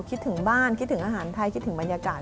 คิดถึงบ้านคิดถึงอาหารไทยคิดถึงบรรยากาศ